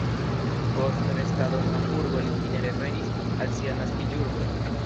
Post restado en Hamburgo li fine revenis al sia naskiĝurbo.